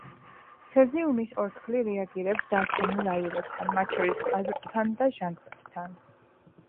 ცეზიუმის ორთქლი რეაგირებს დარჩენილ აირებთან, მათ შორის აზოტთან და ჟანგბადთან.